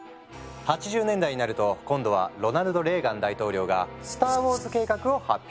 ８０年代になると今度はロナルド・レーガン大統領が「スターウォーズ計画」を発表。